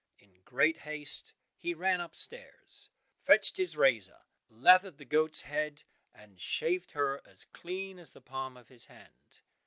In great haste he ran upstairs, fetched his razor, lathered the goat's head, and shaved her as clean as the palm of his hand.